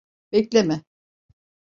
Bekleme.